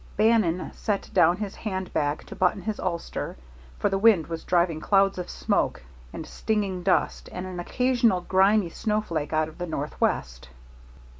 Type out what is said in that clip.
Bannon set down his hand bag to button has ulster, for the wind was driving clouds of smoke and stinging dust and an occasional grimy snowflake out of the northwest.